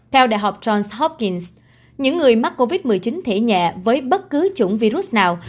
theo đại học johnsoftins những người mắc covid một mươi chín thể nhẹ với bất cứ chủng virus nào